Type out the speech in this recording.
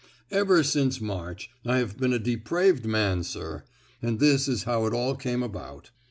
"Ever since March I have been a depraved man, sir, and this is how it all came about.